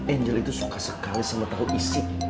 angel itu suka sekali sama tahu isi